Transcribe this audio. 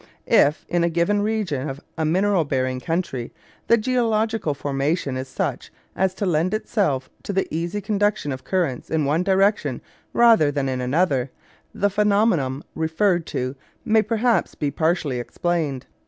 If, in a given region of a mineral bearing country, the geological formation is such as to lend itself to the easy conduction of currents in one direction rather than in another, the phenomenon referred to may perhaps be partially explained.